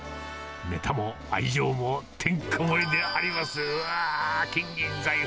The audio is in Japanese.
ねたも愛情もてんこ盛りであります。